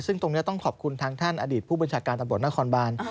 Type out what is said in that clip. ซึ่งตรงนี้ต้องขอบคุณทางท่านอดีตผู้บัญชาการตำรวจนครบาน